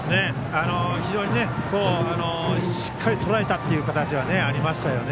非常にしっかりとらえたという形になりましたね。